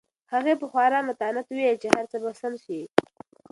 هغې په خورا متانت وویل چې هر څه به سم شي.